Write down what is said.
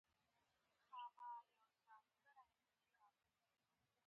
انډریو ډاټ باس زګیروی وکړ